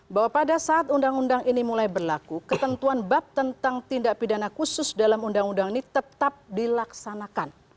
bahwa pada saat undang undang ini mulai berlaku ketentuan bab tentang tindak pidana khusus dalam undang undang ini tetap dilaksanakan